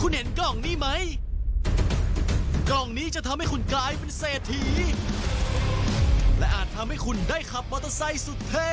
โอ้โหอย่าเพิ่งตกใจนะที่เราอู้อ้าโอโหกันเนี่ย